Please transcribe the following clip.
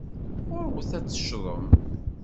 Ɣurwet ad tecḍem.